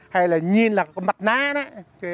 hay là nhìn là cái mặt nát ấy